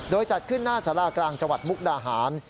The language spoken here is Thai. โดยจัดขึ้นหน้าสารากลางจังหวัดมุกดาหาร